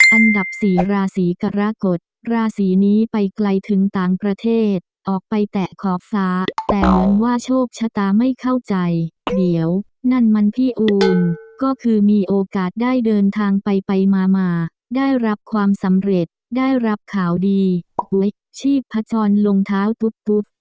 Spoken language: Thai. อันดับสี่ราศีกรกฎราศีนี้ไปไกลถึงต่างประเทศออกไปแตะขอบฟ้าแต่เหมือนว่าโชคชะตาไม่เข้าใจเดี๋ยวนั่นมันพี่อูนก็คือมีโอกาสได้เดินทางไปไปมามาได้รับความสำเร็จได้รับข่าวดีชีพจรลงเท้าตุ๊บตุ๊บ